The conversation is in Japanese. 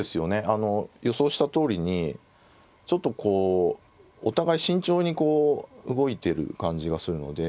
あの予想したとおりにちょっとこうお互い慎重にこう動いてる感じがするので。